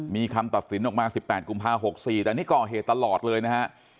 มีคำตัดสินออกมา๑๘กุมภา๖๔แต่นี่ก่อเหตุตลอดเลยนะฮะ